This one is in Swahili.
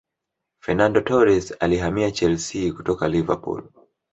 Fernando Torres alihamia chelsea kutoka liverpool